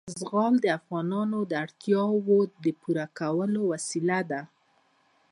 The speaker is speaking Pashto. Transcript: زغال د افغانانو د اړتیاوو د پوره کولو وسیله ده.